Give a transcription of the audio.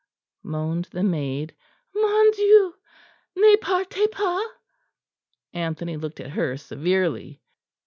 moaned the maid; "mon Dieu! Ne partez pas!" Anthony looked at her severely.